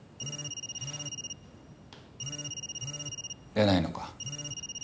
出ないのか？